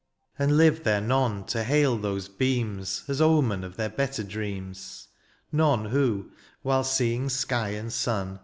And live there none to hail those beams As omen of their better dreams ; None who, while seeing sky and sun.